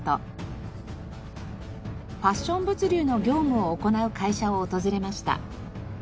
ファッション物流の業務を行う会社を訪れました。